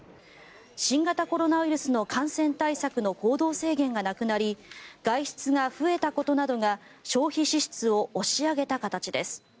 新型コロナウイルスの感染対策の行動制限がなくなり外出が増えたことなどが消費支出を押し上げた形です。